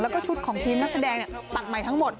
แล้วก็ชุดของทีมนักแสดงตัดใหม่ทั้งหมด